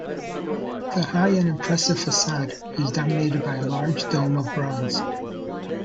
The high and impressive facade is dominated by a large dome of bronze.